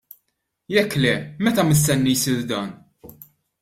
Jekk le, meta mistenni jsir dan?